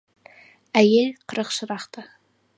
Әйел қырық шырақты.